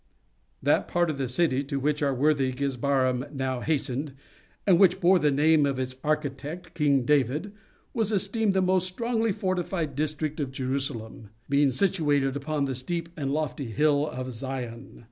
That part of the city to which our worthy Gizbarim now hastened, and which bore the name of its architect, King David, was esteemed the most strongly fortified district of Jerusalem; being situated upon the steep and lofty hill of Zion.